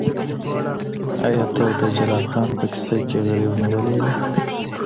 آیا ته د جلات خان په کیسه کي غريو نيولی وې؟